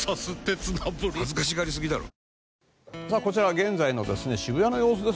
現在の渋谷の様子です。